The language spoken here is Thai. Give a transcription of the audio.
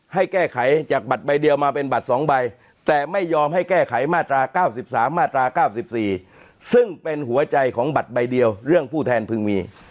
ให้แก้ไขจากบัตรใบเดียวมาเป็นบัตร๒ใบแต่ไม่ยอมให้แก้ไขมาตรา๙๓มาตรา๙๔ซึ่งเป็นหัวใจของบัตรใบเดียวเรื่องผู้แทนพึงมี